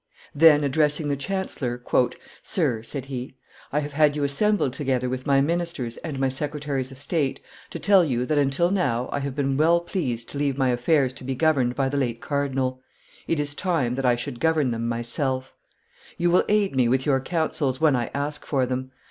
Then, addressing the chancellor, "Sir," said he, "I have had you assembled together with my ministers and my secretaries of state to tell you that until now I have been well pleased to leave my affairs to be governed by the late cardinal; it is time that I should govern them myself; you will aid me with your counsels when I ask for them.